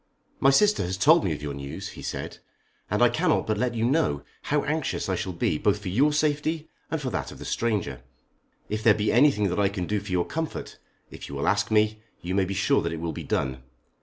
"My sister has told me your news," he said, "and I cannot but let you know how anxious I shall be both for your safety and for that of the stranger. If there be anything that I can do for your comfort, if you will ask me, you may be sure that it will be done.